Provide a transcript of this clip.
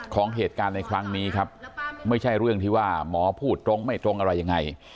ของเหตุการณ์ในครั้งนี้ครับไม่ใช่เรื่องที่ว่าหมอพูดตรงไม่ตรงอะไรยังไง